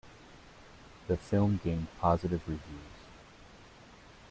The film gained positive reviews.